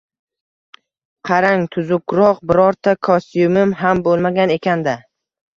Qarang, tuzukroq birorta kostyumim ham bo’lmagan ekan-da.